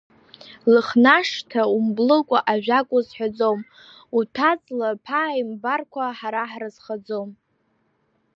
Лыхнашҭа, умблыкәа ажәак узҳәаӡом, Уҭәаҵла ԥааимбарқәа ҳара ҳрызхаӡом.